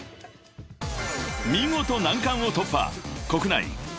［見事難関を突破］